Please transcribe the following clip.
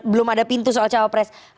belum ada pintu soal cawapres